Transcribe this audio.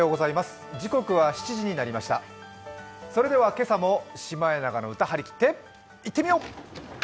それでは今朝も「シマエナガの歌」張り切っていってみよう！